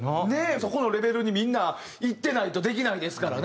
そこのレベルにみんないってないとできないですからね。